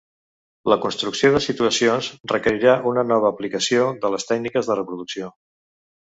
La construcció de situacions requerirà una nova aplicació de les tècniques de reproducció.